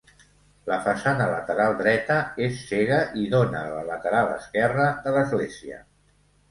La façana lateral dreta és cega i dóna a la lateral esquerra de l'església.